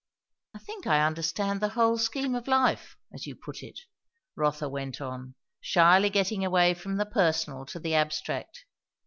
"I think I understand the whole scheme of life, as you put it," Rotha went on, shyly getting away from the personal to the abstract.